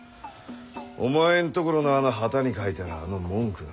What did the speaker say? お前んところのあの旗に書いてあるあの文句な。